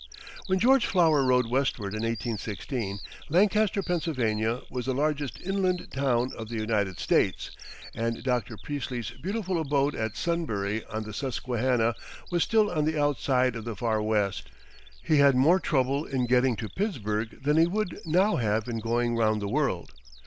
When George Flower rode westward in 1816, Lancaster, Pa., was the largest inland town of the United States, and Dr. Priestley's beautiful abode at Sunbury on the Susquehanna was still on the outside of the "Far West." He had more trouble in getting to Pittsburg than he would now have in going round the world.